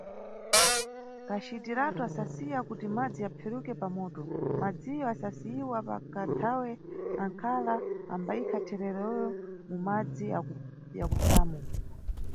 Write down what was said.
Kacitiratu asasiya kuti madzi aperuke pamoto, madziwo asasiyiwa pakathawe angala ambayikha thererowo mumadzi akupsamo.